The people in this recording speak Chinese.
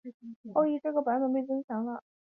后曾悬挂于西安钟楼。